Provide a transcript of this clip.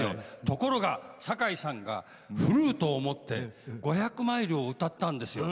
ところが堺さんがフルートを持って「５００マイル」を歌ったんですよ。